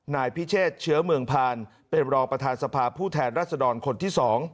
นายพิเชษเชื้อเมืองพานเป็นรองประธานสภาผู้แทนรัศดรคนที่๒